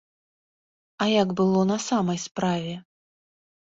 А як было на самай справе?